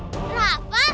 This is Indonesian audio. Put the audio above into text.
siapa akan negatif